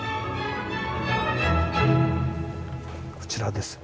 こちらですね。